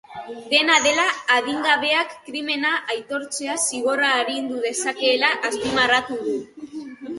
Dena dela, adingabeak krimena aitortzea zigorra arindu dezakeela azpimarratu du.